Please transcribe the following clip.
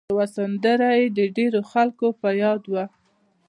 یوه سندره یې د ډېرو خلکو په یاد وه.